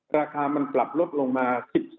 ราคามันปรับลดลงมา